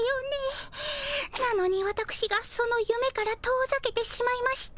なのにわたくしがそのゆめから遠ざけてしまいました。